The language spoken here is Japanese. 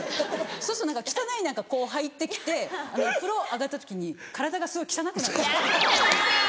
そうすると汚い何かこう入って来て風呂上がった時に体がすごい汚くなってる。